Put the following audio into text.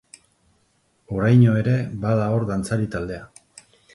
Oraino ere bada hor dantzari taldea.